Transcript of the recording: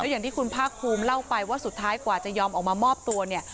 อย่างที่คุณภาคภูมิเล่าไปว่าสุดท้ายกว่าจะยอมออกมามอบตัวเนี่ย